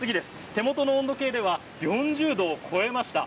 手元の温度計では４０度を超えました。